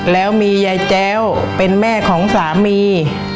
แล้วมียายแจ้วเป็นแม่ของสามี